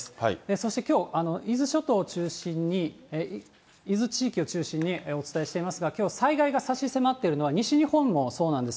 そしてきょう、伊豆諸島を中心に、伊豆地域を中心にお伝えしていますが、きょう災害が差し迫っているのが、西日本もそうなんです。